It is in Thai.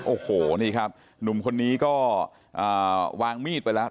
โอ้โหนี่ครับหนุ่มคนนี้ก็วางมีดไปแล้ว